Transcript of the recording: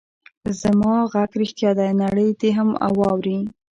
زما غږ رښتیا دی؛ نړۍ دې هم واوري.